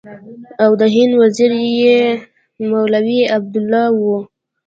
او د هند وزیر یې مولوي عبیدالله و.